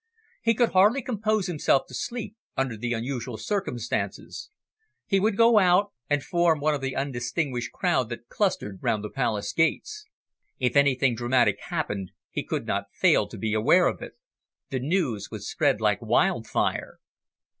He could hardly compose himself to sleep under the unusual circumstances. He would go out, and form one of the undistinguished crowd that clustered round the Palace gates. If anything dramatic happened, he could not fail to be aware of it. The news would spread like wildfire.